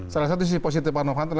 salah satu sisi positif pak novanto adalah